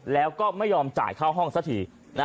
แล้วก็ไม่ยอมจ่ายค่าห้องสักที